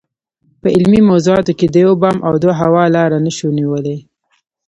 په علمي موضوعاتو کې د یو بام او دوه هوا لاره نشو نیولای.